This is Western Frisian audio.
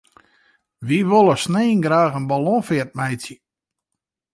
Wy wolle snein graach in ballonfeart meitsje.